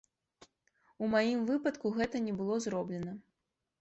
У маім выпадку гэта не было зроблена.